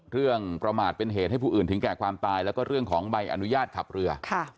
ประมาทเป็นเหตุให้ผู้อื่นถึงแก่ความตายแล้วก็เรื่องของใบอนุญาตขับเรือ